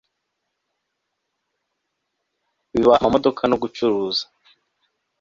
biba amamodoka no gucuruza